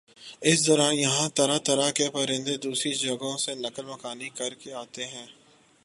اس دوران یہاں طرح طرح کے پرندے دوسری جگہوں سے نقل مکانی کرکے آتے ہیں